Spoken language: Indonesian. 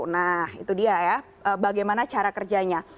nah itu dia ya bagaimana cara kerjanya